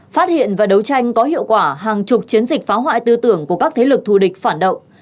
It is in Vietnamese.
phát hiện và đấu tranh có hiệu quả hàng chục chiến dịch phá hoại tư tưởng của các thế lực thù địch phản động